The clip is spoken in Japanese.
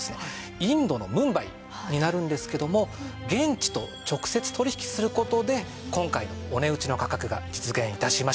インドのムンバイになるんですけども現地と直接取引する事で今回お値打ちの価格が実現致しました。